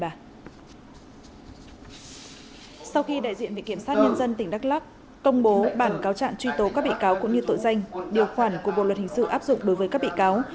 sau khi đại diện vị kiểm sát nhân dân tỉnh đắk lắc công bố bản cáo trạng truy tố các bị cáo cũng như tội danh điều khoản của bộ luật hình sự áp dụng đối với các bị cáo